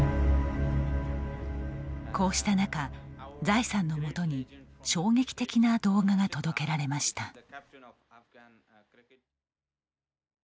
こうした中、ザイさんのもとに衝撃的な動画が届けられました。